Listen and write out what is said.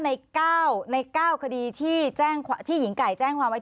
ในก้าวคดีที่หญิงไก่แจ้งไว้